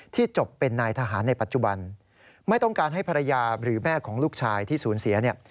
จบเป็นนายทหารในปัจจุบันไม่ต้องการให้ภรรยาหรือแม่ของลูกชายที่สูญเสียเนี่ย